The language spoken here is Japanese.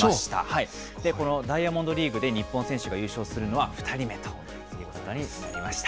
このダイヤモンドリーグで日本人選手が優勝するのは２人目ということになりました。